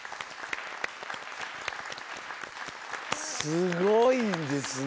すごいですね。